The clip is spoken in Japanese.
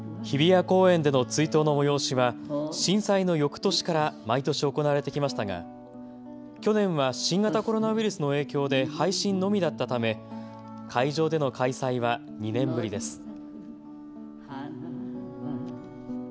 日比谷公園での追悼の催しは震災のよくとしから毎年行われてきましたが去年は新型コロナウイルスの影響で配信のみだったため会場での開催は２年ぶりです。